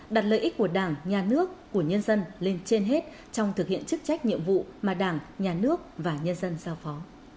đặt lợi ích của đảng nhà nước của nhân dân lên trên hết trong thực hiện chức trách nhiệm vụ mà đảng nhà nước và nhân dân giao phó